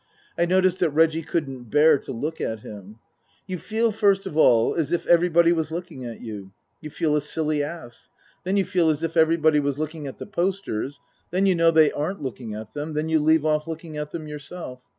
I noticed that Reggie couldn't bear to look at him " you feel first of all as if everybody was looking at you ; you feel a silly ass ; then you feel as if everybody was looking at the posters ; then you know they aren't looking at them. Then you leave off looking at them yourself.